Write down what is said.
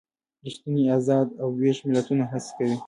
ریښتیني ازاد او ویښ ملتونه هڅې کوي.